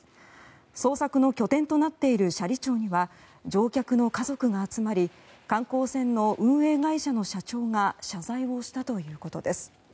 捜索の拠点となっている斜里町には乗客の家族が集まり観光船の運営会社の社長が謝罪をしたということです。